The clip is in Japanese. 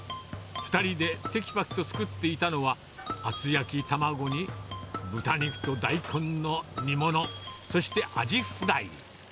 ２人でてきぱきと作っていたのは、厚焼き卵に豚肉と大根の煮物、そしてアジフライ。